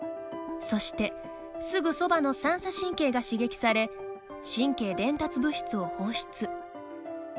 そして、すぐそばの三さ神経が刺激され、神経伝達物質を放出。